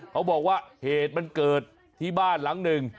เขาบอกว่าเหตุมันเกิดที่บ้านหลังหนึ่ง